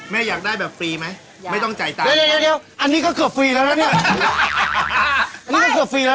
แม่อยากได้แบบฟรีไหมไม่ต้องจ่ายก็คือฟรีแล้วแน่ง